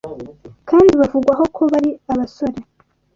kandi bavugwaho ko bari abasore